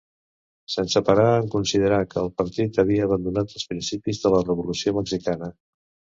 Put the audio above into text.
Se'n separà en considerar que el partit havia abandonat els principis de la Revolució Mexicana.